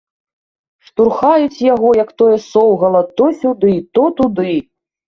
Штурхаюць яго, як тое соўгала, то сюды, то туды.